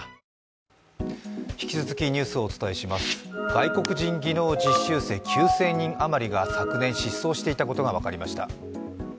外国人技能実習生９０００人余りが昨年、失踪していたことが分かりました。